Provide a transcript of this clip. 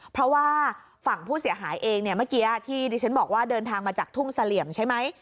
เพราะว่าฝั่งผู้เสียหายเองเนี่ยเมื่อกี้ที่ดิฉันบอกว่าเดินทางมาจากทุ่งเสลี่ยมใช่ไหม